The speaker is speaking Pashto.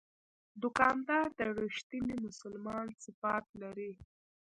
دوکاندار د رښتیني مسلمان صفات لري.